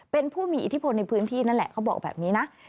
เป็นผู้มีอิทธิพลในพื้นที่นั่นแหละเขาบอกแบบนี้นะ